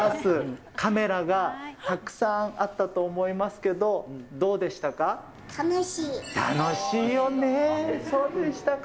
カメラがたくさんあったと思いますけど、どうでしたか？